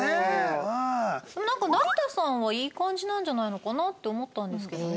なんか成田さんはいい感じなんじゃないのかなって思ったんですけどね。